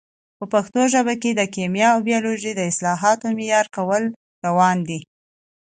په پښتو ژبه کې د کیمیا او بیولوژي د اصطلاحاتو معیاري کول روان دي.